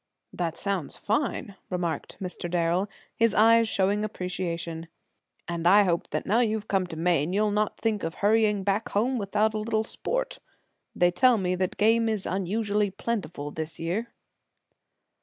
"That sounds fine," remarked Mr. Darrel, his eyes showing appreciation, "and I hope that now you've come to Maine you'll not think of hurrying back home without a little sport. They tell me that game is unusually plentiful this year."